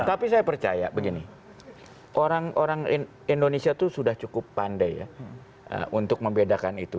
tapi saya percaya begini orang orang indonesia itu sudah cukup pandai ya untuk membedakan itu